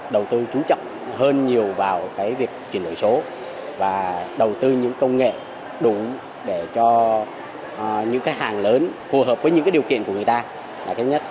đầu tư trú trọng hơn nhiều vào việc chuyển đổi số và đầu tư những công nghệ đủ để cho những hàng lớn phù hợp với những điều kiện của người ta